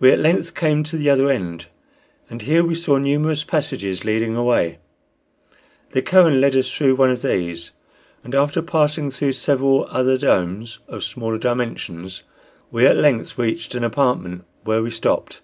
We at length came to the other end, and here we saw numerous passages leading away. The Kohen led us through one of these, and after passing through several other domes of smaller dimensions we at length reached an apartment where we stopped.